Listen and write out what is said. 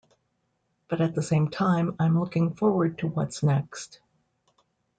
But at the same time, I'm looking forward to what's next.